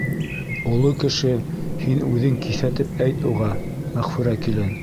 Оло кеше һин үҙең киҫәтеп әйт уға, Мәғфүрә килен.